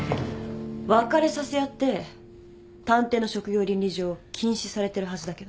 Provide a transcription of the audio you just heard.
別れさせ屋って探偵の職業倫理上禁止されてるはずだけど。